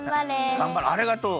「がんばれ」ありがとう。